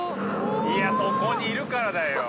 いやそこにいるからだよ！